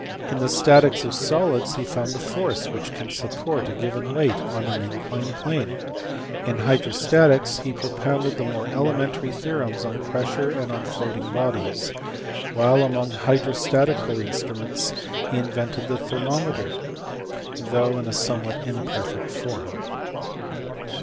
In the statics of solids he found the force which can support a given weight on an inclined plane ; in hydrostatics he pro pounded the more elementary theorems on pressure and on floating bodies; while among hydrostatical instruments he invented the thermometer, though in a somewhat imperfect form.